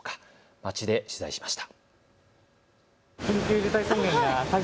街で取材しました。